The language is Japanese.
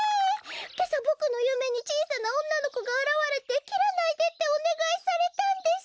けさボクのゆめにちいさなおんなのこがあらわれて「きらないで」っておねがいされたんです。